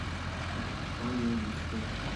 برگهای ریخته